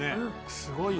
すごいよ。